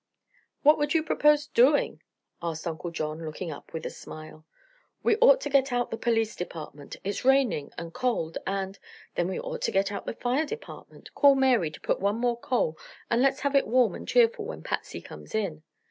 "What would you propose doing?" asked Uncle John, looking up with a smile. "We ought to get out the police department. It's raining and cold, and " "Then we ought to get out the fire department. Call Mary to put on more coal and let's have it warm and cheerful when Patsy comes in."